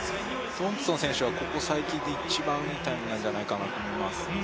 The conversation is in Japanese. トンプソン選手はここ最近で一番いいタイムなんじゃないかと思います。